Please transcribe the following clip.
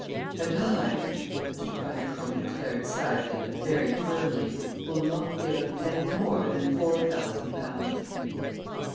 "And I," Mr. Bundercombe declared sadly but very firmly, "will not give a penny more than four thousand pounds."